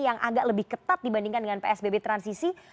yang agak lebih ketat dibandingkan dengan psbb transisi